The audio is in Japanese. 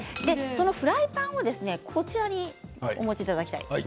フライパンをこちらにお持ちいただきたいんです。